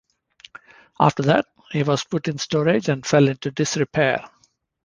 After that, he was put in storage and fell into disrepair.